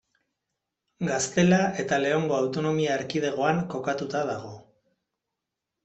Gaztela eta Leongo autonomia erkidegoan kokatuta dago.